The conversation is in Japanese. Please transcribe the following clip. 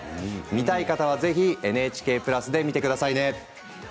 見たい方は、ぜひＮＨＫプラスで見てくださいね。